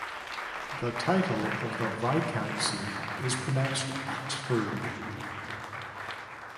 The title of the Viscountcy is pronounced "Oxfurd".